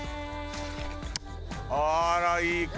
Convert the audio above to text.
あらいい傘！